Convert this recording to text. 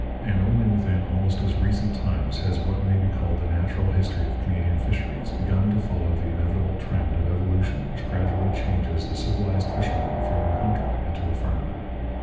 And only within almost as recent times has what may be called the natural history of Canadian fisheries begun to follow the inevitable trend of evolution which gradually changes the civilized fisherman from a hunter into a farmer.